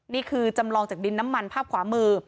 นี่คือจำลองจากดินน้ำมันภาพขวามือ